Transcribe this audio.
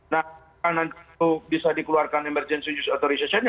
nah apakah nanti itu bisa dikeluarkan emergency use authorization